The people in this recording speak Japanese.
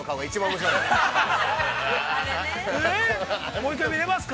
◆もう一回見れますか？